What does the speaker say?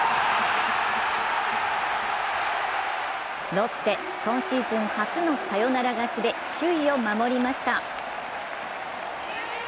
ロッテ、今シーズン初のサヨナラ勝ちで首位を守りました。